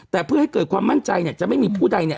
แต่เพื่อให้เกิดความมั่นใจเนี่ยจะไม่มีผู้ใดเนี่ย